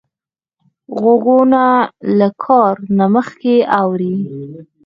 غوږونه له کار نه مخکې اوري